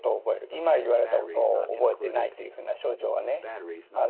今言われたことを覚えてないというふうな症状はね